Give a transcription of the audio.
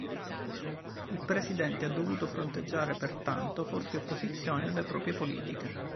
Il presidente ha dovuto fronteggiare pertanto forti opposizioni alle proprie politiche.